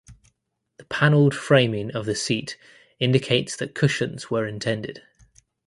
The panelled framing of the seat indicates that cushions were intended.